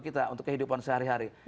kita untuk kehidupan sehari hari